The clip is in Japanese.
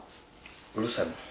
うるさいもん。